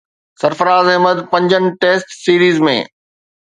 سرفراز احمد پنجن test series ۾